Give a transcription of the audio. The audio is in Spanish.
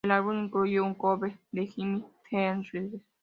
El álbum incluye un cover de Jimi Hendrix.